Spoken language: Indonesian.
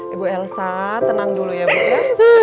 ibu elsa tenang dulu ya bu ya